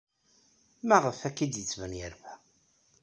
Maɣef akka ay d-yettban yerfa?